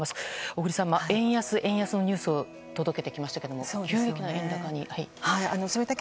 小栗さん円安、円安のニュースを届けてきましたけども急激な円高に入って。